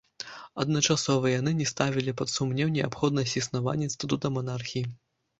Адначасова яны не ставілі пад сумнеў неабходнасць існавання інстытута манархіі.